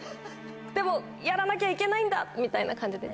でもやらなきゃいけないんだみたいな感じで。